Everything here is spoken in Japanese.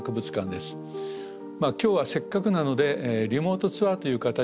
今日はせっかくなのでリモートツアーという形でですね